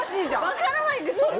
分からないんですよ。